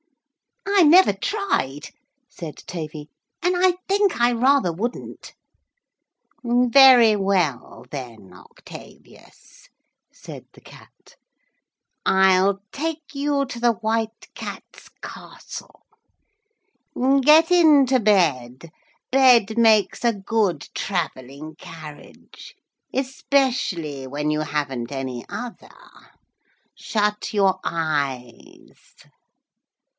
'I never tried,' said Tavy, 'and I think I rather wouldn't.' 'Very well then, Octavius,' said the Cat. 'I'll take you to the White Cat's Castle. Get into bed. Bed makes a good travelling carriage, especially when you haven't any other. Shut your eyes.'